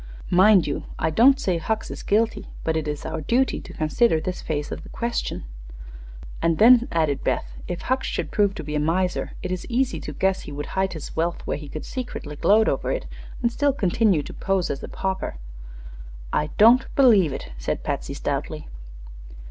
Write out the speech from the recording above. Mind you, I don't say Hucks is guilty, but it is our duty to consider this phase of the question." "And then," added Beth, "if Hucks should prove to be a miser, it is easy to guess he would hide his wealth where he could secretly gloat over it, and still continue to pose as a pauper." "I don't believe it," said Patsy, stoutly.